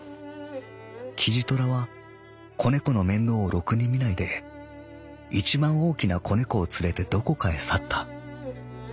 「キジトラは仔猫の面倒をろくにみないでいちばん大きな仔猫を連れてどこかへ去った。